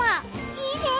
いいね！